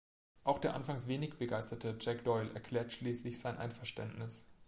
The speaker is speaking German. Auch der anfangs wenig begeisterte Jack Doyle erklärt schließlich sein Einverständnis.